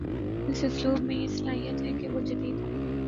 اس اسلوب میں یہ صلاحیت ہے کہ وہ جدید